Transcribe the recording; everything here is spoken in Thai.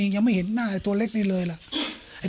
ยังไม่เห็นหน้าไอ้ตัวเล็กนี่เลยล่ะ